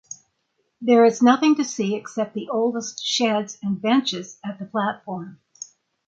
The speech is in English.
There is nothing to see except the oldest sheds and benches at the platform.